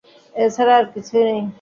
এছাড়া আর কিছুই নেই।